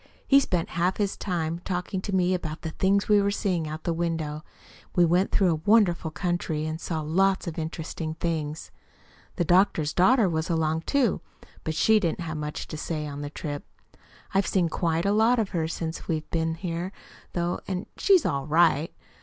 He spent half his time talking to me about the things we were seeing out the window. We went through a wonderful country, and saw lots of interesting things. The doctor's daughter was along, too. But she didn't have much to say on the trip. I've seen quite a lot of her since we've been here, though, and she's ALL RIGHT.